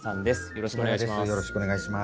よろしくお願いします。